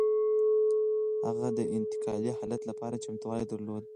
هغه د انتقالي حالت لپاره چمتووالی درلود.